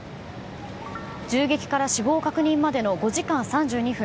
銃撃から死亡確認までの５時間３２分。